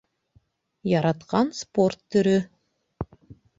Яратҡан спорт төрө